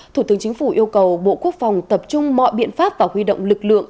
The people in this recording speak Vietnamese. thủ tướng chính phủ yêu cầu bộ quốc phòng tập trung mọi biện pháp và huy động lực lượng